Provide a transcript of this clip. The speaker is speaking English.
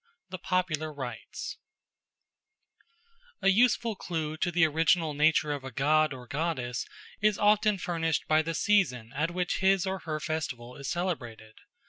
The Popular Rites A USEFUL clue to the original nature of a god or goddess is often furnished by the season at which his or her festival is celebrated.